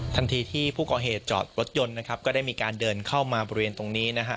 ทันทีที่ผู้ก่อเหตุจอดรถยนต์นะครับก็ได้มีการเดินเข้ามาบริเวณตรงนี้นะฮะ